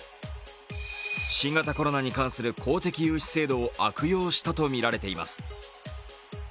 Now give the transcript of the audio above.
新型コロナに関する公的融資制度を悪用したとみられています。